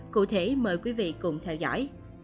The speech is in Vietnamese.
cụ thể mời quý vị cùng theo dõi